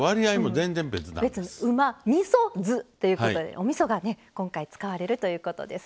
「うま・みそ・酢」ということでおみそが今回使われるということです。